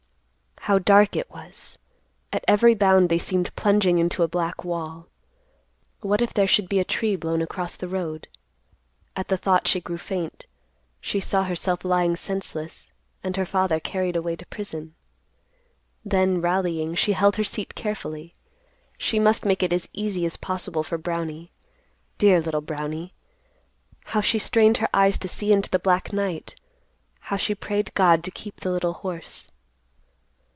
How dark it was! At every bound they seemed plunging into a black wall. What if there should be a tree blown across the road? At the thought she grew faint. She saw herself lying senseless, and her father carried away to prison. Then rallying, she held her seat carefully. She must make it as easy as possible for Brownie, dear little Brownie. How she strained her eyes to see into the black night! How she prayed God to keep the little horse!